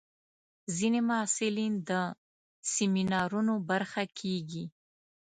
ځینې محصلین د سیمینارونو برخه کېږي.